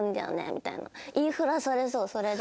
みたいな言い触らされそうそれで。